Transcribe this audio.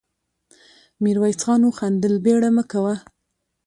ميرويس خان وخندل: بېړه مه کوه.